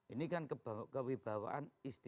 ini kan kewibawaan istisional dewan pindah ustadz